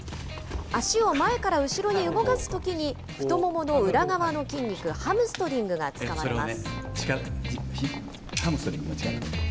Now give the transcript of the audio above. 足を前から後ろに動かすときに、太ももの裏側の筋肉、ハムストリングが使われます。